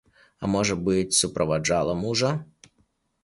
А, можа быць, суправаджала мужа?